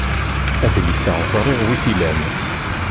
Adlis-a ẓriɣ wi t-ilan.